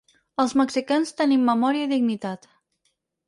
Els mexicans tenim memòria i dignitat.